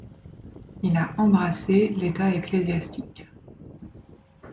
Il a embrassé l'état ecclésiastique.